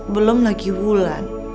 belum lagi bulan